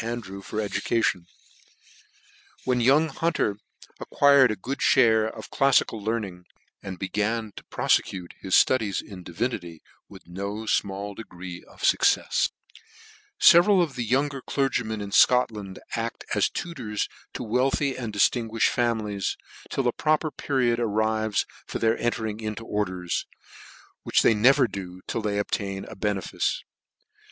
Andrew for education. When young Hunter had acquired a good fhare of clafiical learning, he was admitted to the degree of mafler of arts, and be gan to proffcute his ftudies in divinity with no iinall degree of fuccefs. Several of the younger clergymen in Scotland aft as tutors to wealthy and diftinguimed families, till a proper period arrives for their entering into orders, which they never do till they obtain a benefice.